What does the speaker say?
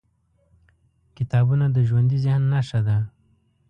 کتابونه د ژوندي ذهن نښه ده.